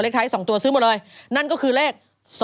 ท้าย๒ตัวซื้อหมดเลยนั่นก็คือเลข๒๕๖